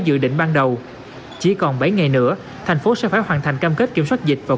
dự định ban đầu chỉ còn bảy ngày nữa thành phố sẽ phải hoàn thành cam kết kiểm soát dịch vào